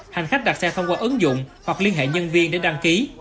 hành khách đặt xe thông qua ứng dụng hoặc liên hệ nhân viên để đăng ký